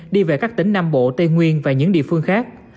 đi về các tỉnh nam bộ tây nguyên và những địa phương khác